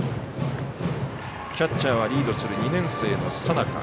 キャッチャーはリードする２年生の佐仲。